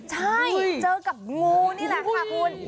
ใช่เจอกับงูนี่แหละค่ะคุณ